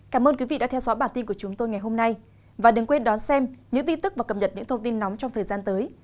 cảm ơn quý vị đã theo dõi bản tin của chúng tôi ngày hôm nay và đừng quên đón xem những tin tức và cập nhật những thông tin nóng trong thời gian tới